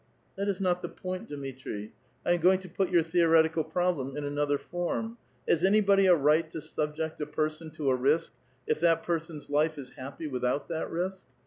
" That is not the point, Dmitri. I am going to put 3'our theoretical problem in another form: Has anybody a r.ight to subject a person to a risk, if that person's life is happy ''without that risk?